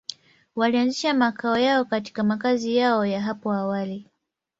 Walianzisha makao yao katika makazi yao ya hapo awali.